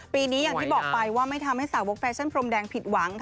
ปีนี้อย่างที่บอกไปว่าไม่ทำให้สาวกแฟชั่นพรมแดงผิดหวังค่ะ